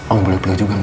om boleh beli juga gak